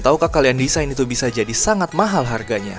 tahukah kalian desain itu bisa jadi sangat mahal harganya